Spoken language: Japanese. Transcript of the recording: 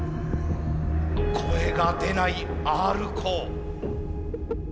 声が出ないＲコー。